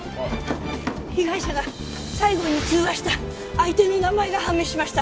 被害者が最後に通話した相手の名前が判明しました。